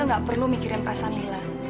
tante gak perlu mikirin perasaan lila